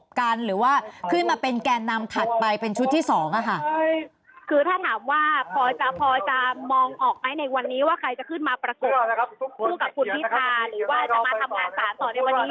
สู้กับคุณพิษาหรือว่าจะมาทำงานสารต่อในวันนี้